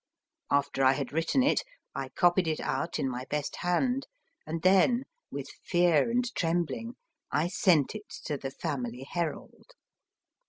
After I had written it I copied it out in my best hand, GEORGE R. SIMS 85 and then, with fear and trembling, I sent it to the Family Herald.